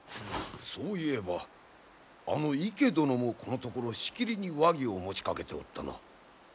そういえばあの池殿もこのところしきりに和議を持ちかけておったな。